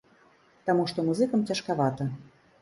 Таму што музыкам цяжкавата.